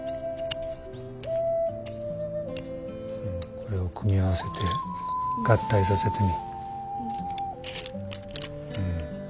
これを組み合わせて合体させてみ。